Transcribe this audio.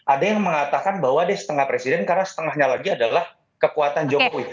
ada yang mengatakan bahwa dia setengah presiden karena setengahnya lagi adalah kekuatan jokowi